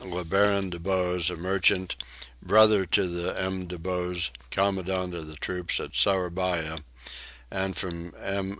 le Baron de Bose, a merchant, brother to the M. de Bose, commandant of the troops at Sourabaya: and from M.